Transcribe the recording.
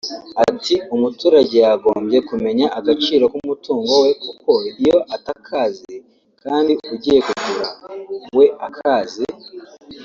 Ati “Umuturage yagombye kumenya agaciro k’umutungo we kuko iyo atakazi kandi ugiye kugura we akazi